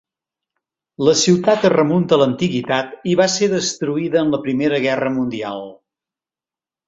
La ciutat es remunta a l'antiguitat i va ser destruïda en la Primera Guerra Mundial.